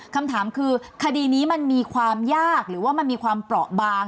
คำถามคือคดีนี้มันมีความยากหรือว่ามันมีความเปราะบาง